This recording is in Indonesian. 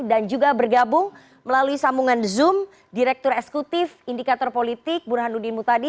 dan juga bergabung melalui sambungan zoom direktur eksekutif indikator politik burhanudin mutadi